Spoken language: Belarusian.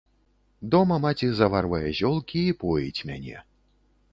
Дома маці заварвае зёлкі і поіць мяне.